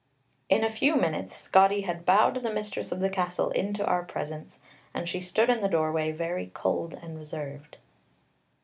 In a few minutes, Scotty had bowed the mistress of the castle into our presence, and she stood in the doorway, very cold and reserved.